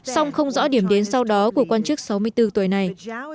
song không rõ điểm đến sau đó của quan chức sáu mươi bốn tuổi này